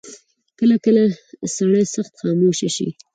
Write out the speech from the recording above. کله کله سړی سخت خاموشه شي.